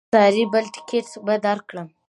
ساري بل ټکټ به درکړم.